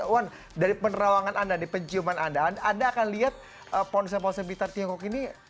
wan dari penerawangan anda di penciuman anda anda akan lihat ponsel ponsel pintar tiongkok ini